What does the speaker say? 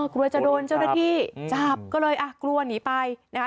กลัวจะโดนเจ้าหน้าที่จับก็เลยอ่ะกลัวหนีไปนะคะ